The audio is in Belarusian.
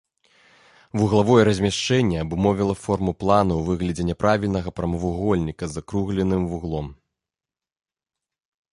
Вуглавое размяшчэнне абумовіла форму плана ў выглядзе няправільнага прамавугольніка з закругленым вуглом.